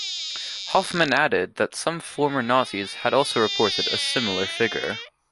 Hoffmann added, that some former Nazis had also reported a similar figure.